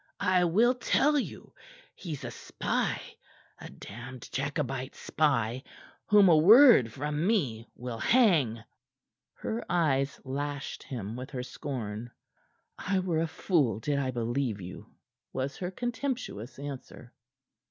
"I will tell you. He's a spy a damned Jacobite spy, whom a word from me will hang." Her eyes lashed him with her scorn. "I were a fool did I believe you," was her contemptuous answer.